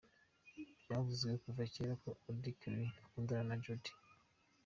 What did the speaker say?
Byavuzwe kuva kera ko Auddy Kelly akundana na Jody.